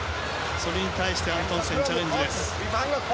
それに対してアントンセン、チャレンジです。